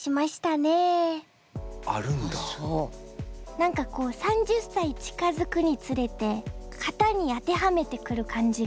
何かこう３０歳近づくにつれて型に当てはめてくる感じが。